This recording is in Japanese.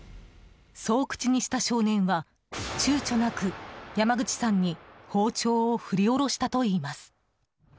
そう口にした少年はちゅうちょなく山口さんに包丁を振り下ろしたといいます。